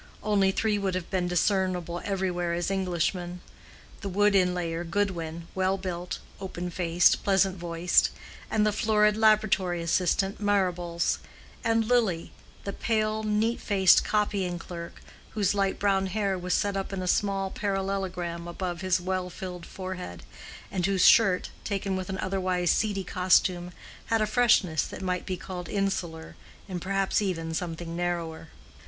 Only three would have been discernable everywhere as Englishmen: the wood inlayer Goodwin, well built, open faced, pleasant voiced; the florid laboratory assistant Marrables; and Lily, the pale, neat faced copying clerk, whose light brown hair was set up in a small parallelogram above his well filled forehead, and whose shirt, taken with an otherwise seedy costume, had a freshness that might be called insular, and perhaps even something narrower.